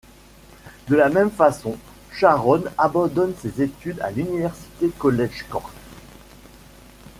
De la même façon, Sharon abandonne ses études à l'University College Cork.